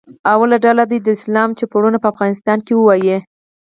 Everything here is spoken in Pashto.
لومړۍ ډله دې د اسلام چوپړونه په افغانستان کې ووایي.